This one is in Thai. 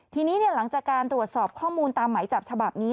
มีอายุความห้าปี